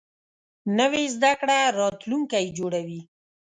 نوې زده کړه راتلونکی جوړوي